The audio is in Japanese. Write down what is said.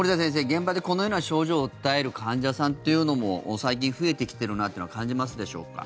現場でこのような症状を訴える患者さんというのも最近、増えてきてるなというのは感じますでしょうか。